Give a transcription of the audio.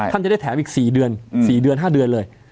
ท่านจะได้แถมอีก๔เดือน๔เดือน๕เดือนเลย